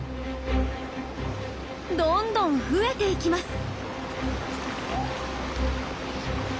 どんどん増えていきます。